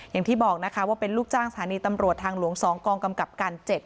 อย่างที่บอกนะคะว่าเป็นลูกจ้างสถานีตำรวจทางหลวง๒กองกำกับการ๗